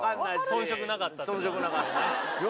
遜色なかった。